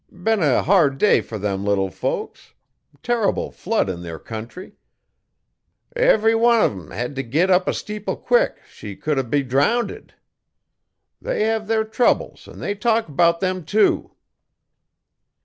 Been a hard day fer them little folks. Terrible flood in their country. Everyone on em hed t' git up a steeple quick 'she could er be drownded. They hev their troubles an' they talk 'bout 'em, too.'